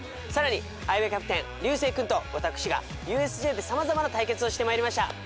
さらに相葉キャプテン流星君と私がＵＳＪで様々な対決をしてまいりました。